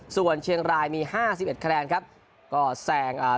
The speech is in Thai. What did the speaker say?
ส่วนเชียงรายมีห้าสิบเอ็ดคะแนนครับก็แซงอ่า